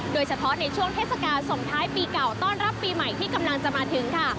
โดยเฉพาะในช่วงเทศกาลส่งท้ายปีเก่าต้อนรับปีใหม่ที่กำลังจะมาถึงค่ะ